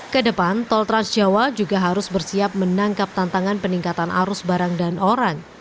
kedepan tol transjawa juga harus bersiap menangkap tantangan peningkatan arus barang dan orang